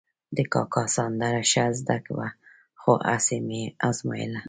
د کاکا سندره ښه زده وه، خو هسې مې ازمایله.